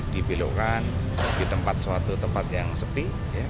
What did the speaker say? dibelokkan di tempat suatu tempat yang sepi